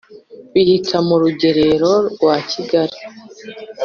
Bihita mu Rugerero rwa Kigali